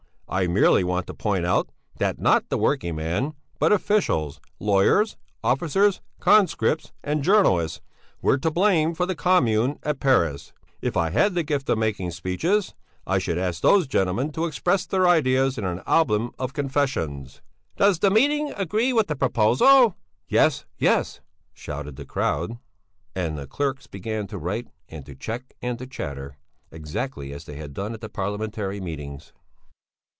"I merely want to point out that not the working men, but officials, lawyers, officers conscripts and journalists were to blame for the Commune at Paris. If I had the gift of making speeches, I should ask those gentlemen to express their ideas in an album of confessions." "Does the meeting agree to the proposal?" "Yes, yes!" And the clerks began to write and to check and to chatter, exactly as they had done at the Parliamentary meetings.